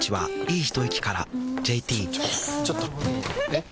えっ⁉